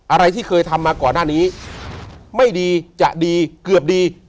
อะไรที่เคยทำมาก่อนหน้านี้ไม่ดีจะดีเกือบดี